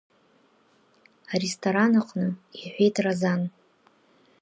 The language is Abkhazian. Аресторан аҟны, – иҳәеит Разан.